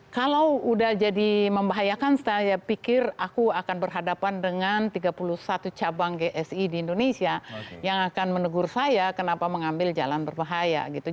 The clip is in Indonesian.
kalau udah jadi membahayakan saya pikir aku akan berhadapan dengan tiga puluh satu cabang gsi di indonesia yang akan menegur saya kenapa mengambil jalan berbahaya gitu